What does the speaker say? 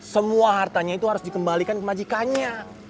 semua hartanya itu harus dikembalikan ke majikannya